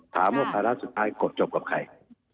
ถามว่าภาระสุดท้ายกดจบกับใคร